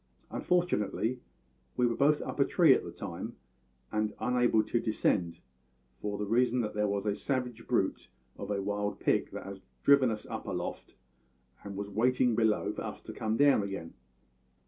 Unfortunately, we were both up a tree at the time, and were unable to descend, for the reason that there was a savage brute of a wild pig that had driven us up aloft and was waiting below for us to come down again.